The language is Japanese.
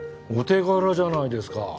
お手柄じゃないですか。